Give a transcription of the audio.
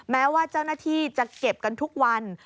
แม้ว่าเจ้าหน้าที่จะเก็บกันทุกวัน